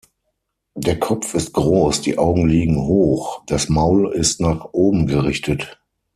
Der Kopf ist groß, die Augen liegen hoch, das Maul ist nach oben gerichtet.